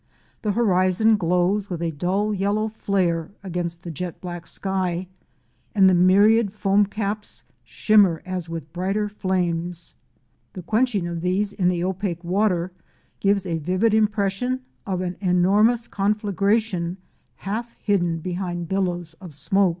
The horizon glows with a dull, yellow flare against the jet black sky, and the myriad foam caps shimmer as with brighter flames. The quenching of these in the opaque water gives a vivid impression of an enormous conflagration half hidden behind billows of smoke.